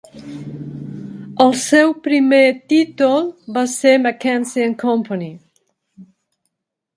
El seu primer títol va ser "McKenzie and Co".